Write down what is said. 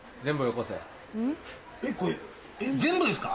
これ全部ですか？